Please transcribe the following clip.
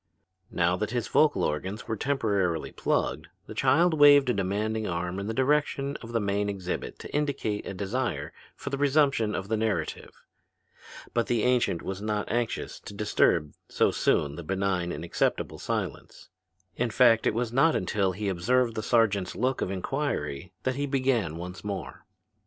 Now that his vocal organs were temporarily plugged, the child waved a demanding arm in the direction of the main exhibit to indicate a desire for the resumption of the narrative. But the ancient was not anxious to disturb so soon the benign and acceptable silence. In fact it was not until he observed the sergeant's look of inquiry that he began once more.